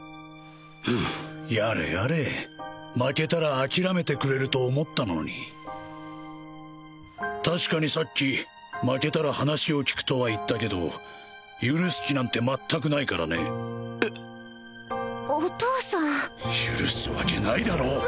ふうやれやれ負けたら諦めてくれると思ったのに確かにさっき負けたら話を聞くとは言ったけど許す気なんて全くないからねえっお父さん許すわけないだろ！